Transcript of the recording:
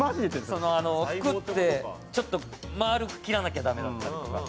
服って、ちょっと丸く切らなきゃだめだったりとか。